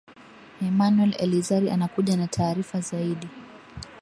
emanuel elizari anakuja na taarifa zaidi